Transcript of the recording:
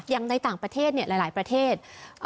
อย่างในต่างประเทศหลายประเทศ